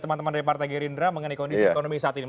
teman teman dari partai gerindra mengenai kondisi ekonomi saat ini